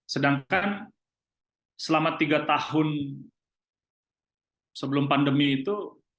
sedangkan selama tiga tahun sebelum pandemi itu